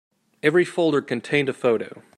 Every folder contained a photo.